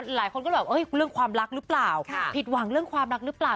หลายคนก็แบบเรื่องความรักหรือเปล่าผิดหวังเรื่องความรักหรือเปล่า